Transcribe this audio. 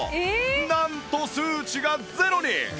なんと数値がゼロに！